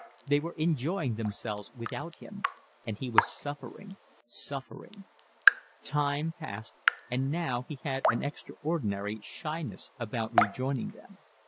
They were enjoying themselves without him, and he was suffering, suffering. Time passed, and now he had an extraordinary shyness about rejoining them.